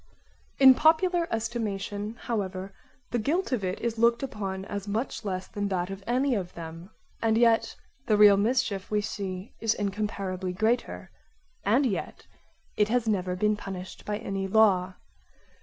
In popular estimation however the guilt of it is looked upon as much less than that of any of them; and yet the real mischief we see is incomparably greater, and yet it has never been punished by any law.